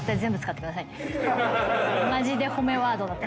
マジで褒めワードだった。